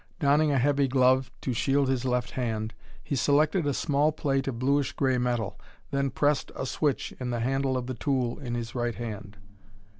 Donning a heavy glove to shield his left hand, he selected a small plate of bluish gray metal, then pressed a switch in the handle of the tool in his right hand.